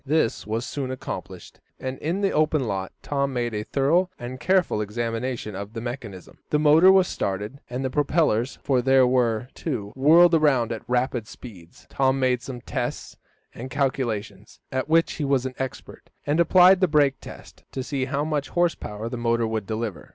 This was soon accomplished, and in the open lot Tom made a thorough and careful examination of the mechanism. The motor was started, and the propellers, for there were two, whirled around at rapid speed. Tom made some tests and calculations, at which he was an expert, and applied the brake test, to see how much horse power the motor would deliver.